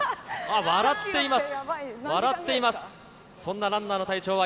笑っています。